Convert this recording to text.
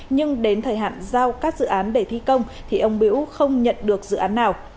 nhưng đến thời hạn giao các dự án để thi công thì ông bưu không nhận được dự án nào